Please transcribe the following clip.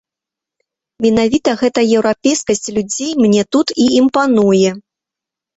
Менавіта гэта еўрапейскасць людзей мне тут і імпануе.